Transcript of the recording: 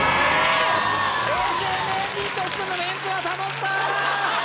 永世名人としてのメンツは保った。